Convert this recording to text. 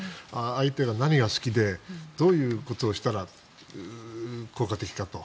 相手が何が好きでどういうことをしたら効果的かと。